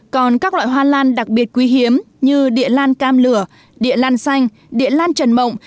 còn các loại hoa lan đặc biệt quý hiếm như địa lan cam lửa địa lan xanh địa lan trần mộng